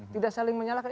tidak saling menyalahkan